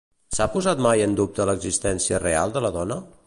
S'ha posat mai en dubte l'existència real de la dona?